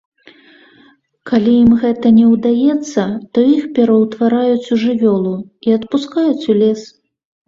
Калі ім гэта не ўдаецца, то іх пераўтвараюць у жывёлу і адпускаюць у лес.